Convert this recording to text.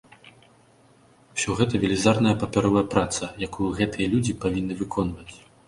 Усё гэта велізарная папяровая праца, якую гэтыя людзі павінны выконваць.